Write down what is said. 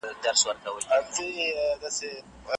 رښتيني انسان د بشريت له پاره خدمت کړی دی.